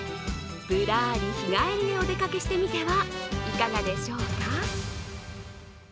ぶらり日帰りでお出かけしてみてはいかがでしょうか？